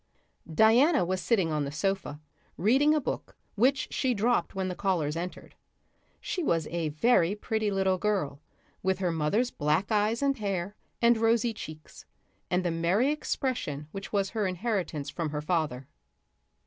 Diana was sitting on the sofa, reading a book which she dropped when the callers entered. She was a very pretty little girl, with her mother's black eyes and hair, and rosy cheeks, and the merry expression which was her inheritance from her father.